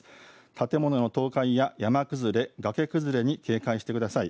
建物の倒壊や山崩れ、崖崩れに警戒してください。